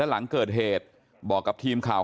หลังเกิดเหตุบอกกับทีมข่าว